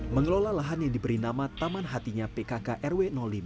mengelola lahan yang diberi nama taman hatinya pkk rw lima